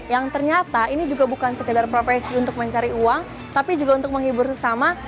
yang ternyata ini juga bukan sekedar profesi untuk mencari uang tapi juga untuk menghibur sesama